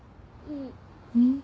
うん。